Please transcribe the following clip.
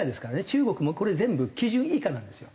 中国もこれ全部基準以下なんですよ。